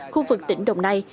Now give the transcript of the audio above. khu vực tỉnh đồng nai